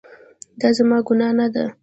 دا زما ګناه نه ده